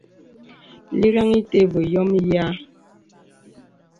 Lìgāŋ ìtə̀ və yɔ̄mə yìâ.